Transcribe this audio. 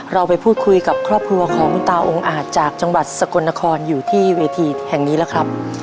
เราไปพูดคุยกับครอบครัวของคุณตาองค์อาจจากจังหวัดสกลนครอยู่ที่เวทีแห่งนี้แล้วครับ